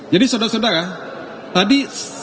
jadi saudara saudara tadi